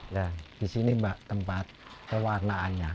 nah di sini mbak tempat pewarnaannya